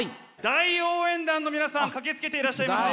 大応援団の皆さん駆けつけていらっしゃいます。